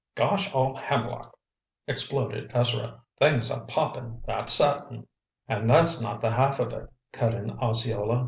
"Gosh all hemlock!" exploded Ezra. "Things are popping, that's certain." "And that's not the half of it," cut in Osceola.